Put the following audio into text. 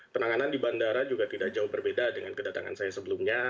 penanganan di bandara juga tidak jauh berbeda dengan kedatangan saya sebelumnya